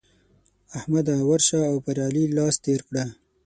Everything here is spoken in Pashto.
احمده! ورشه او پر علي لاس تېر کړه.